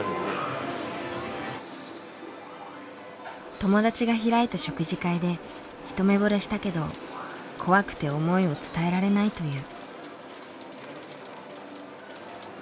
友達が開いた食事会で一目ぼれしたけど怖くて思いを伝えられないという。